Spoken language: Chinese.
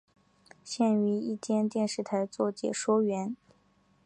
现于一间电视台做解说员。